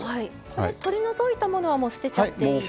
取り除いたものはもう捨てちゃっていいですか？